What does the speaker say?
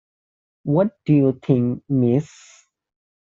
What do you think, Miss?